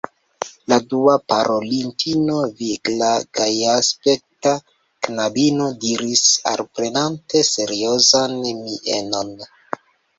La dua parolintino, vigla, gajaspekta knabino, diris alprenante seriozan mienon: